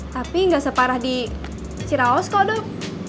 tapi nggak separah di ciraos kok dok